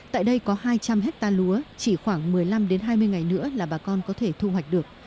tại đây có hai trăm linh hectare lúa chỉ khoảng một mươi năm hai mươi ngày nữa là bà con có thể thu hoạch được